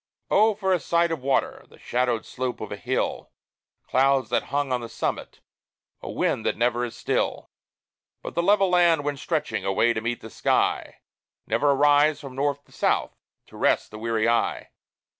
Oh! for a sight of water, the shadowed slope of a hill! Clouds that hang on the summit, a wind that never is still! But the level land went stretching away to meet the sky Never a rise, from north to south, to rest the weary eye!